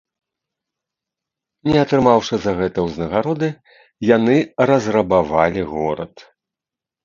Не атрымаўшы за гэта ўзнагароды, яны разрабавалі горад.